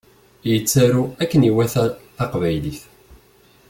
Yettaru akken iwata taqbaylit